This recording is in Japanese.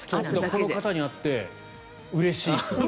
この方に会ってうれしいと。